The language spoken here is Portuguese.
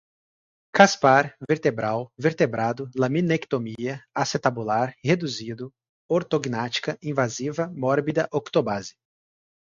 caspar, vertebral, vertebrado, laminectomia, acetabular, reduzido, ortognática, invasiva, mórbida, octobase